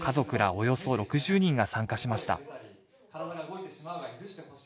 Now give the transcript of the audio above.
およそ６０人が参加しました